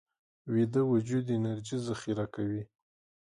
ویده وجود انرژي ذخیره کوي